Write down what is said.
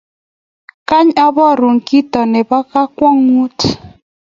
Kany aborun kito nebo kakwong'ut